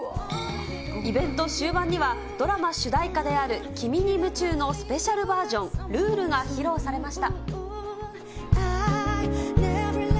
イベント終盤には、ドラマ主題歌である君に夢中のスペシャルバージョン、Ｒｕｌｅが披露されました。